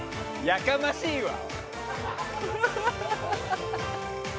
やかましいわ！